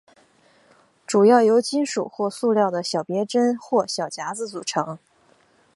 主要由金属或塑料的小别针或小夹子组成。